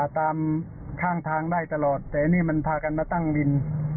ตามข้างทางได้ตลอดแต่นี่มันพากันมาตั้งวิน